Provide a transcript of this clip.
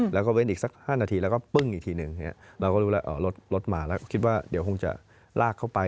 แล้วก็เว้นอีกสัก๕นาทีแล้วก็ปึ้งอีกทีหนึ่งเราก็รู้แล้วรถมาแล้วก็คิดว่าเดี๋ยวคงจะลากเข้าไป